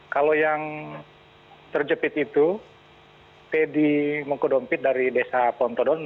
kalau yang terjepit itu fedy mungkodompit dari desa pontodon